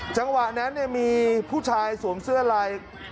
จังหวะนั้นมีผู้ชายสวมเสื้อลาย